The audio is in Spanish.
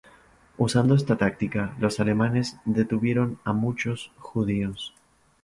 Usando esta táctica, los alemanes detuvieron a muchos Judíos.